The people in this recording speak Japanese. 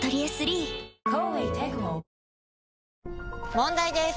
問題です！